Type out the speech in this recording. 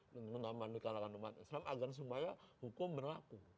menyelamatkan umat islam agar semuanya hukum berlaku